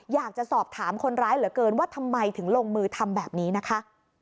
อยากจะสอบถามคนร้ายเหลือเกินว่าทำไมถึงลงมือทำแบบนี้นะคะ